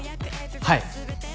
はい。